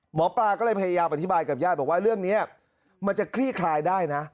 หมอปลาก็เลยพยายามอธิบายกับญาติบอกว่าเรื่องนี้มันจะคลี่คลายได้นะ